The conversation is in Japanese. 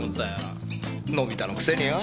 のび太のくせによ。